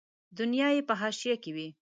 دنیا یې په حاشیه کې وي.